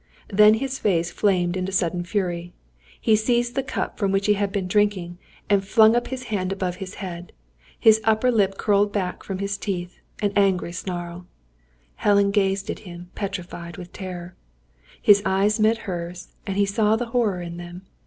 Then his face flamed into sudden fury. He seized the cup from which he had been drinking, and flung up his hand above his head. His upper lip curled back from his teeth, in an angry snarl. Helen gazed at him, petrified with terror. His eyes met hers, and he saw the horror in them.